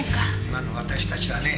今の私たちはね